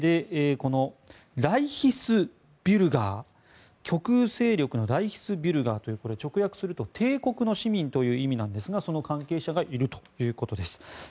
このライヒスビュルガー極右勢力のライヒスビュルガーというこれ、直訳すると帝国の市民ということなんですがその関係者がいるということです。